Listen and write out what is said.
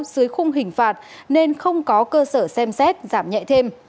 dưới khung hình phạt nên không có cơ sở xem xét giảm nhẹ thêm